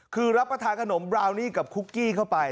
คือรับประทานขนมบราวนี่กับคุกกี้เข้าไป